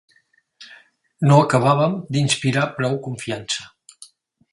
...no acabàvem d'inspirar prou confiança